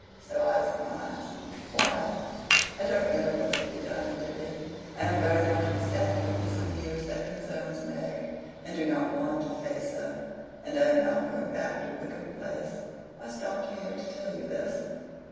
"So I surmise. Why?" "I don't know what's to be done, Tibby. I am very much upset at a piece of news that concerns Meg, and do not want to face her, and I am not going back to Wickham Place. I stopped here to tell you this."